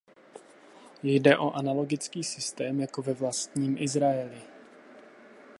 Jde o analogický systém jako ve vlastním Izraeli.